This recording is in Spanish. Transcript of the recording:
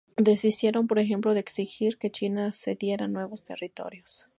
Desistieron por ejemplo de exigir que China cediera nuevos territorios.